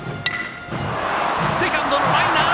セカンドライナー！